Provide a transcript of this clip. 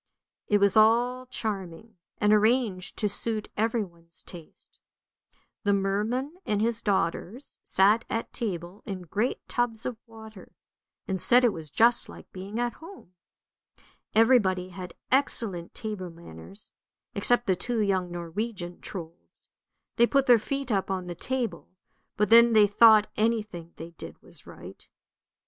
It was all charming, and arranged to suit everyone's taste. The merman and his daughters sat at table in great tubs of water, and said it was just like being at home. Everybody had excellent table manners, except the two young Norwegian Trolds ; they put their feet up on the table, but then they thought any thing they did was right.